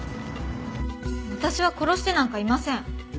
私は殺してなんかいません。